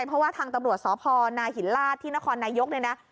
เพราะว่าทางตำรวจสพนาหินลาศที่นครนายกเนี่ยนะ